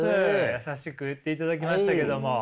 優しく言っていただきましたけども。